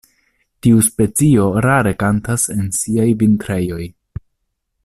Tiu specio rare kantas en siaj vintrejoj.